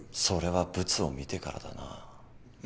それはブツを見てからだな。